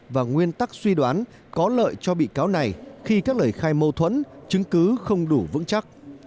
và nguyên tắc suy đoán có lợi cho bị cáo này khi các lời khai mâu thuẫn chứng cứ không đủ vững chắc